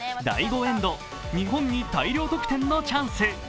第５エンド、日本に大量得点のチャンス。